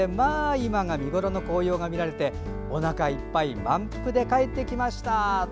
今が見ごろの紅葉が見られておなかいっぱい満腹で帰ってきましたと。